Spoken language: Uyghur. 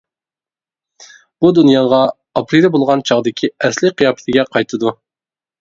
بۇ دۇنياغا ئاپىرىدە بولغان چاغدىكى ئەسلى قىياپىتىگە قايتىدۇ.